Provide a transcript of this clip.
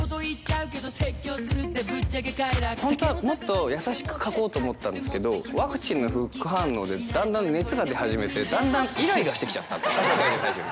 本当はもっと優しく書こうと思ったんですけど、ワクチンの副反応でだんだん熱が出始めて、だんだんいらいらしてきちゃったんですよ。